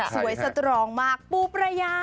สวยสตรองมากปูปรยา